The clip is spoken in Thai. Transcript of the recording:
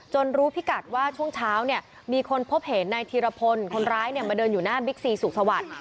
รู้พิกัดว่าช่วงเช้าเนี่ยมีคนพบเห็นนายธีรพลคนร้ายมาเดินอยู่หน้าบิ๊กซีสุขสวัสดิ์